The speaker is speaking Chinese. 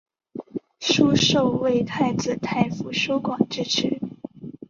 疏受为太子太傅疏广之侄。